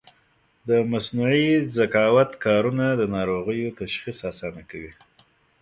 د مصنوعي ذکاوت کارونه د ناروغیو تشخیص اسانه کوي.